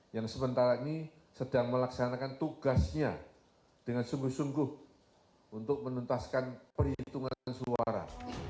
yang sementara ini sedang melaksanakan tugasnya dengan sungguh sungguh untuk menuntaskan perhitungan suara